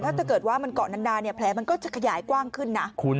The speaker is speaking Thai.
ถ้าเกิดว่ามันเกาะนานเนี่ยแผลมันก็จะขยายกว้างขึ้นนะ